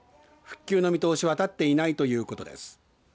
復旧の見通しは立っていないということです。